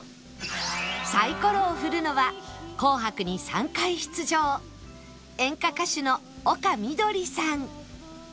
サイコロを振るのは『紅白』に３回出場演歌歌手の丘みどりさん